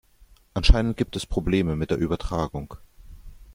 Anscheinend gibt es Probleme mit der Übertragung.